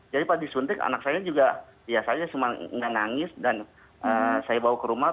jadi pak disuntik anak saya juga ya saya cuma nangis dan saya bawa ke rumah